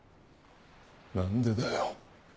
何でだよ。